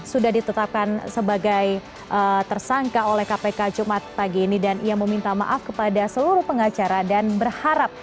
sudah ditetapkan sebagai tersangka oleh kpk jumat pagi ini dan ia meminta maaf kepada seluruh pengacara dan berharap